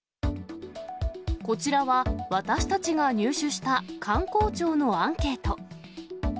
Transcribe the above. こちらは、私たちが入手した観光庁のアンケート。